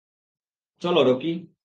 চলো, রকি।